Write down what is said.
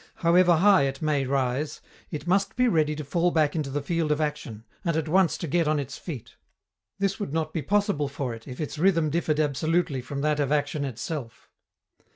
However high it may rise, it must be ready to fall back into the field of action, and at once to get on its feet. This would not be possible for it, if its rhythm differed absolutely from that of action itself.